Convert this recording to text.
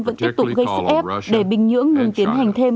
vẫn tiếp tục gây sức ép để bình nhưỡng ngừng tiến hành thêm